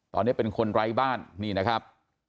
ตอนนี้เป็นคนไร้บ้านนี่นะครับ